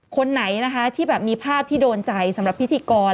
คนไหนที่มีภาพที่โดนใจสำหรับพิธีกร